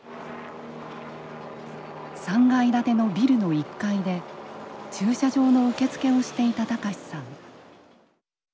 ３階建てのビルの１階で駐車場の受付をしていた隆さん。